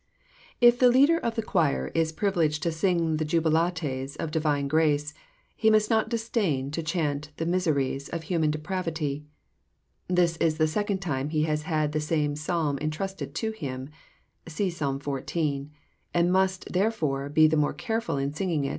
— If the leader of the choir is privileged to sing the jubilates of ditnne grace, he must not disdain to chant the misereres of human depraxntu. This is the second time he has had the same Psalm entrusted to him (see Psalm xiv.), and he must, therefore, be the more careful in singing U.